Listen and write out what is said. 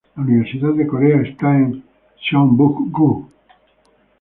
La Universidad de Corea está en Seongbuk-gu.